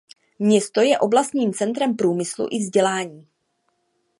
Město je oblastním centrem průmyslu i vzdělání.